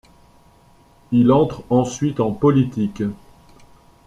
Il entre ensuite en politique.